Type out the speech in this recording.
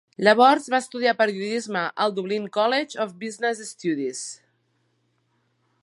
Llavors va estudiar periodisme al Dublin College of Business Studies.